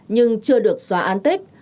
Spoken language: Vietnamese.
nhưng chưa được xóa an tích